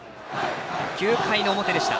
９回の表でした。